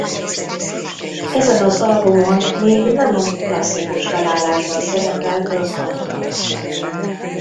Ezen az albumon még nem a klasszikus felállásban szerepelt az Anthrax.